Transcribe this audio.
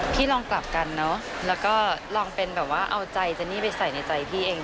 พี่ลองกลับกันเนอะแล้วก็ลองเป็นแบบว่าเอาใจเจนี่ไปใส่ในใจพี่เอง